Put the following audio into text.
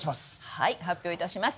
はい発表いたします